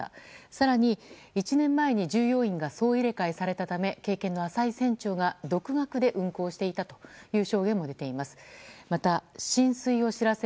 更に、１年前に従業員が総入れ替えされたため経験の浅い船長が独学で運航していたという証言も出ています。